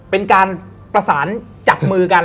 เป็นการประสานจับมือกัน